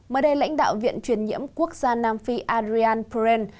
mới đây lãnh đạo viện truyền nhiễm quốc gia nam phi adrian peren